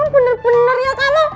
bener bener ya kamu